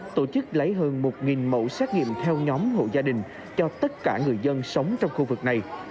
tổ chức lấy hơn một mẫu xét nghiệm theo nhóm hộ gia đình cho tất cả người dân sống trong khu vực này